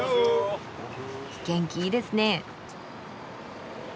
元気いいですね。